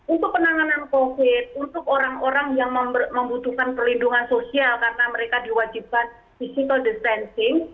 untuk penanganan covid untuk orang orang yang membutuhkan perlindungan sosial karena mereka diwajibkan physical distancing